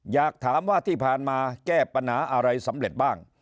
อยากถามว่าที่ผ่านมาแก้ปัญหาอะไรสำเร็จบ้าง